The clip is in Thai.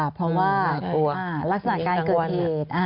เพราะว่าลักษณะการเกิดเหตุ